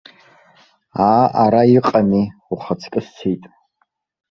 Аа ара иҟами, ухаҵкы сцеит.